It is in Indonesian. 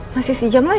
masih satu jam lagi ya